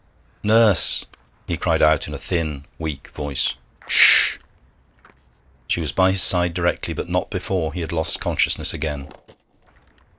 'Nurse!' he cried out, in a thin, weak voice. 'Ssh!' She was by his side directly, but not before he had lost consciousness again.